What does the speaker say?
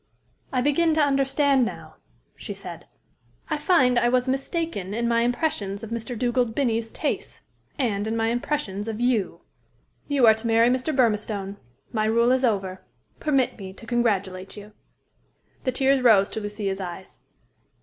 "I begin to understand now," she said. "I find I was mistaken in my impressions of Mr. Dugald Binnie's tastes and in my impressions of you. You are to marry Mr. Burmistone. My rule is over. Permit me to congratulate you." The tears rose to Lucia's eyes.